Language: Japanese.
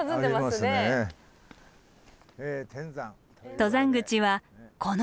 登山口はこの階段。